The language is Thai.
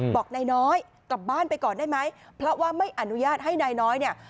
บอกนายน้อยกลับบ้านไปก่อนได้ไหมเพราะว่าไม่อนุญาตให้นายน้อยเนี่ย